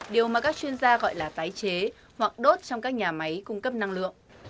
điều mà các chuyên gia gọi là tái chế hoặc đốt trong các nhà máy cung cấp năng lượng